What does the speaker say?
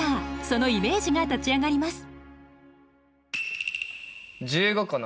そのイメージが立ち上がります。